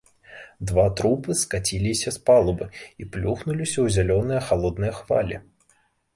Два трупы скаціліся з палубы і плюхнуліся ў зялёныя халодныя хвалі.